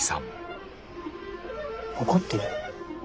怒ってる？